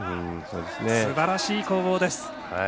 すばらしい攻防です。